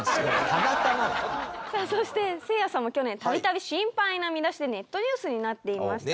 さあそしてせいやさんも去年度々シンパイな見出しでネットニュースになっていました。